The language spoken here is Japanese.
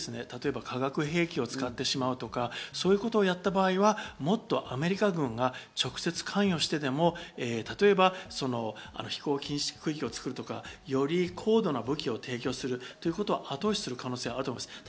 例えば化学兵器を使ってしまうとか、そういったことをやった場合は、もっとアメリカ軍が直接関与してでも例えば、飛行禁止区域を作るとか、より高度な武器を提供するということは後押しする可能性があると思います。